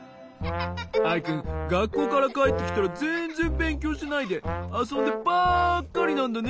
アイくんがっこうからかえってきたらぜんぜんべんきょうしないであそんでばっかりなんだね？